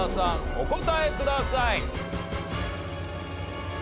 お答えください。